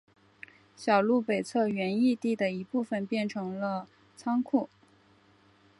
小路北侧原义地的一部分变成了仓库。